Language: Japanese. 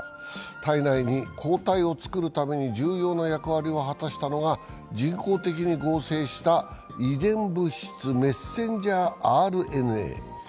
体内に抗体を作るために重要な役割を果たしたのが人工的に合成した遺伝物質、メッセンジャーＲＮＡ。